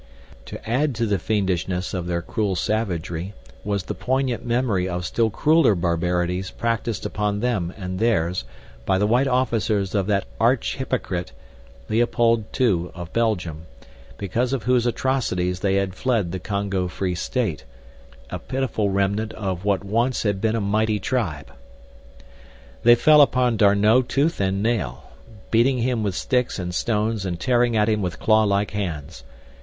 To add to the fiendishness of their cruel savagery was the poignant memory of still crueler barbarities practiced upon them and theirs by the white officers of that arch hypocrite, Leopold II of Belgium, because of whose atrocities they had fled the Congo Free State—a pitiful remnant of what once had been a mighty tribe. They fell upon D'Arnot tooth and nail, beating him with sticks and stones and tearing at him with claw like hands.